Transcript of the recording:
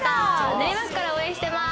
練馬区から応援してます